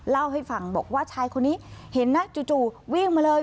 เล่าให้ฟังบอกว่าชายคนนี้เห็นนะจู่วิ่งมาเลย